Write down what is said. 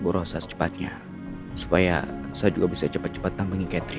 borosat secepatnya supaya saya juga bisa cepat cepat tambahin catherine